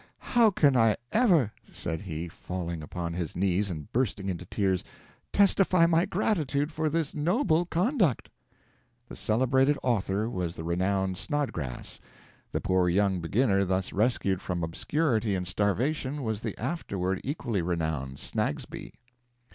"How can I ever," said he, falling upon his knees and bursting into tears, "testify my gratitude for this noble conduct!" The celebrated author was the renowned Snodgrass; the poor young beginner thus rescued from obscurity and starvation was the afterward equally renowned Snagsby.